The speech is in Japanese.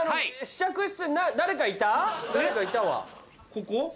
ここ？